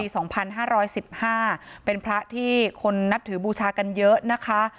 สองพันห้าร้อยสิบห้าเป็นพระที่คนนับถือบูชากันเยอะนะคะ